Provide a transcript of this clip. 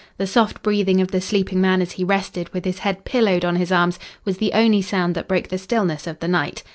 The soft breathing of the sleeping man as he rested with his head pillowed on his arms was the only sound that broke the stillness of the night.